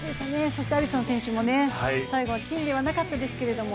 そしてアリソン選手も、最後は金ではなかったですけども。